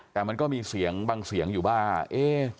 แต่มันก็มีเสียงบางเสียงอยู่ว่า